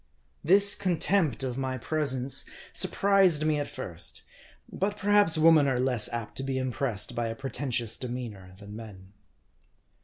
This contempt of my presence surprised me at first ; .but perhaps women are less apt to be impressed by a pretentious demeanor, than men.